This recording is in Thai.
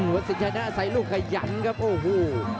วัดสินชัยน่าอาศัยลูกขยันครับโอ้โห